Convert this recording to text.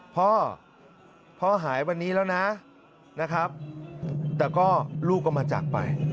พ่อพ่อหายวันนี้แล้วนะนะครับแต่ก็ลูกก็มาจากไป